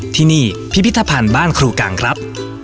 ที่นี่พิพิธภัณฑ์บ้านครูกลางครับ